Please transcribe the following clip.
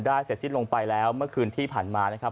เสร็จสิ้นลงไปแล้วเมื่อคืนที่ผ่านมานะครับ